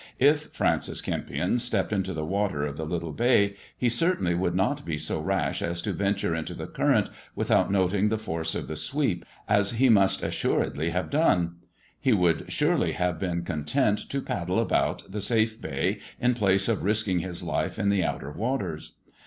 If Francis Kempion stepped into the water of the little bay he certainly would not be so rash as to venture into the current without noting the force of the sweep, as he must assuredly have done; he would surely have been con tent to paddle about the safe bay in place of risking his life in the outer waters.